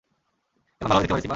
এখন ভালোভাবে দেখতে পারিস, সিম্বা?